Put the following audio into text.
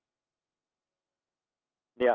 ลูกหลานบอกว่าเรียกรถไปหลายครั้งนะครับ